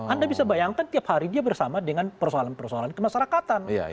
anda bisa bayangkan tiap hari dia bersama dengan persoalan persoalan kemasyarakatan